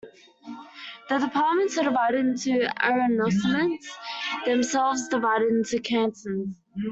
The departments are divided into arrondissements, themselves divided into cantons.